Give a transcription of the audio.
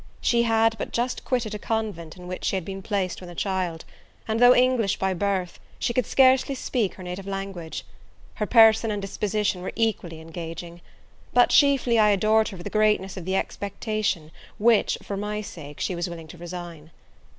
She had but just quitted a convent in which she had been placed when a child, and though English by birth, she could scarcely speak her native language. Her person and disposition were equally engaging; but chiefly I adored her for the greatness of the expectation, which, for my sake, she was willing to resign.